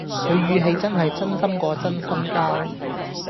佢語氣真係真心過真心膠